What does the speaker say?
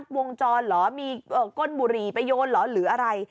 วงจรเหรอมีก้นบุหรี่ไปโยนเหรอหรืออะไร